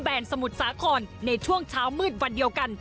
สมุทรสาครในช่วงเช้ามืดวันเดียวกัน